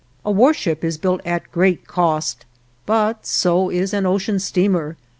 A warship is built at great cost, but so is an ocean steamer.